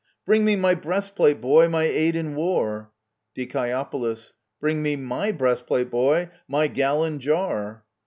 Bring me my breastplate, boy, my aid in war ! Die. Bring me my breastplate, boy — my gallon jar